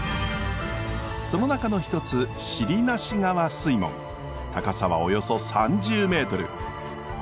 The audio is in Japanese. その中のひとつ高さはおよそ３０メートル。